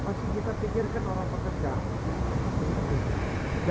masih kita pikirkan orang pekerja